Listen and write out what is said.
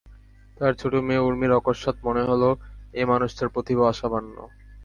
তাঁর ছোটো মেয়ে ঊর্মির অকস্মাৎ মনে হল, এ মানুষটার প্রতিভা অসামান্য।